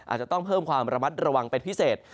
อาจจะต้องเพิ่มความระมัดระวังเป็นพิเศษ